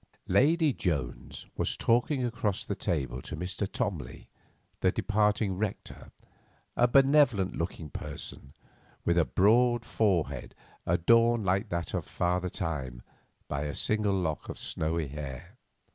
Lady Jones was talking across the table to Mr. Tomley, the departing rector, a benevolent looking person, with a broad forehead adorned like that of Father Time by a single lock of snowy hair.